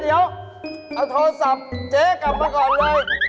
เดี๋ยวเอาโทรศัพท์เจ๊กลับมาก่อนเลย